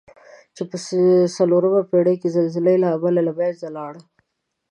چې په څلورمه پېړۍ کې د زلزلې له امله له منځه لاړه.